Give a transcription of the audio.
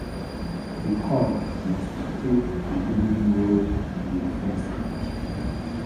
The Corps was to take the leading role in the offensive.